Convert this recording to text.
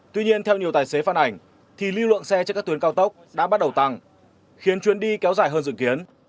tuy nhiên theo nhiều tài xế phát ảnh thì lưu lượng xe trên các tuyến cao tốc đã bắt đầu tăng khiến chuyến đi kéo dài hơn dự kiến